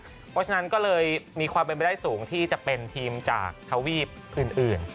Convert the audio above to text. เพราะฉะนั้นก็เลยมีความเป็นไปได้สูงที่จะเป็นทีมจากทวีปอื่น